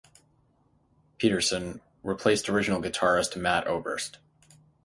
Pedersen replaced original guitarist Matt Oberst.